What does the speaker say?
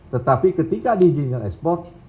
tetapi ketika diizinkan ekspor